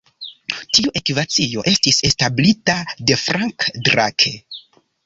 Tiu ekvacio estis establita de Frank Drake.